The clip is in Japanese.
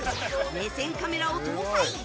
目線カメラを搭載！